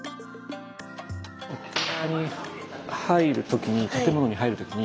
お寺に入る時に建物に入る時に。